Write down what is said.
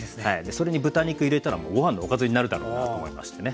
それに豚肉入れたらもうご飯のおかずになるだろうなと思いましてね。